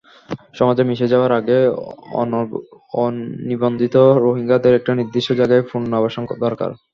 সমাজে মিশে যাওয়ার আগেই অনিবন্ধিত রোহিঙ্গাদের একটি নির্দিষ্ট জায়গায় পুনর্বাসন দরকার।